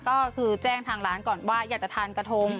ก็คือแจ้งทางร้านก่อนว่าอยากจะทานกระทง